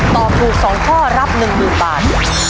ตอบถูก๒ข้อรับ๑๐๐๐บาท